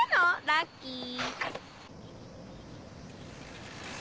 ラッキー！